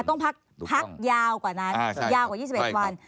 ต้องพักยาวกว่านั้นยาวกว่า๒๑วัน